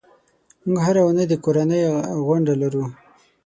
موږ هره اونۍ د کورنۍ غونډه لرو.